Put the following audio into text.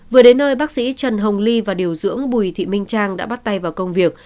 vừa đến nơi bác sĩ trần hồng ly và điều dưỡng bùi thị minh trang đã bắt tay vào công việc